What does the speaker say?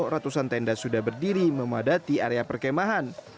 ratusan tenda sudah berdiri memadati area perkemahan